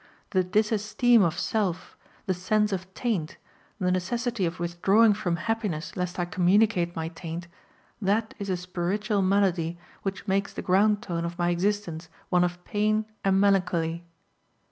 The disesteem of self, the sense of taint, the necessity of withdrawing from happiness lest I communicate my taint, that is a spiritual malady which makes the ground tone of my existence one of pain and melancholy.